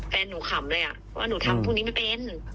แฟนหนูขำเลยว่าหนูทำพวกนี้ไม่เป็น